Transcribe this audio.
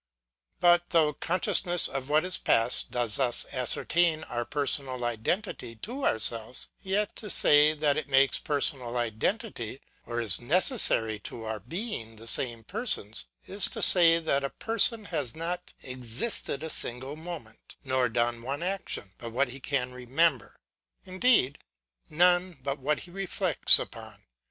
But though consciousness of what is past does thus ascertain our personal identity to ourselves, yet to say, that it makes personal identity, or is necessary to our being the same persons, is to say, that a person has not existed a single moment, nor done one action, but what he can remember ; indeed, none but what he reflects upon.